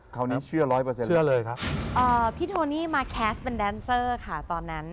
คราวนี้เชื่อ๑๐๐เลยครับพี่โทนี่มาแคสเป็นแดนเซอร์ค่ะตอนนั้น